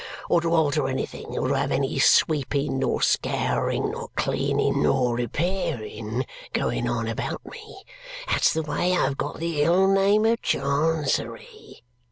or to alter anything, or to have any sweeping, nor scouring, nor cleaning, nor repairing going on about me. That's the way I've got the ill name of Chancery.